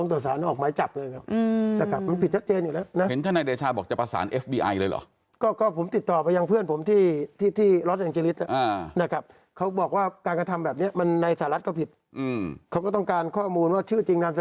แต่ว่าเราเป็นคนโพสต์เคลื่อนไหวเราเป็นคนโพสต์เคลื่อนไหว